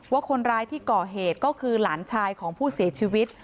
ว่าคนร้ายที่ก่อเหตุก็คือหลานชายของผู้เสียชีวิต